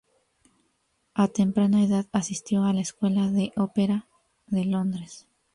A temprana edad asistió a la Escuela de Opera de Londres.